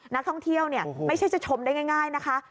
นักท่องเที่ยวไม่ใช่จะชมได้ง่ายนะคะ